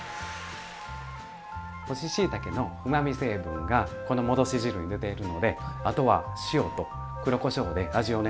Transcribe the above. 干ししいたけのうまみ成分がこの戻し汁に出ているのであとは塩と黒こしょうで味をね